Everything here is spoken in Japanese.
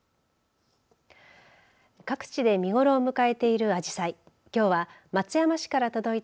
各地で見頃を迎えているあじさい。